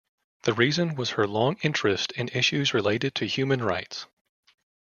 The reason was her long interest in issues related to human rights.